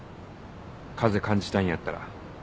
風感じたいんやったら。